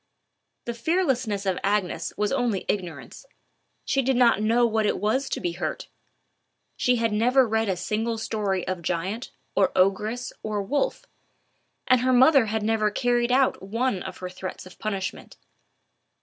The fearlessness of Agnes was only ignorance: she did not know what it was to be hurt; she had never read a single story of giant, or ogress or wolf; and her mother had never carried out one of her threats of punishment.